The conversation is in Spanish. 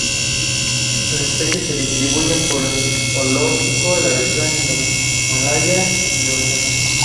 Sus especies se distribuyen por el holártico, la región indomalaya y Oceanía.